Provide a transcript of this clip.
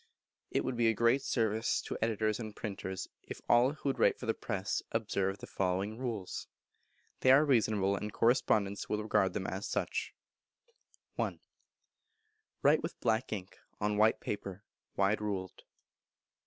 It would be a great service to editors and printers if all who write for the press would observe the following rules. They are reasonable, and correspondents will regard them as such: i. write with black ink, on white paper, wide ruled.